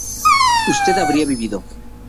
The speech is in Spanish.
usted habría vivido